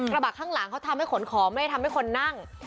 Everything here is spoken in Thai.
กระบะข้างหลังเขาทำให้ขนของไม่ได้ทำให้คนนั่ง